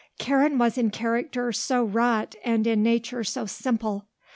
Karen was in character so wrought and in nature so simple.